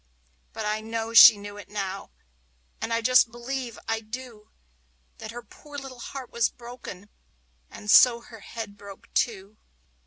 But I know that she knew it now, and I just believe, I do, That her poor little heart was broken, and so her head broke too.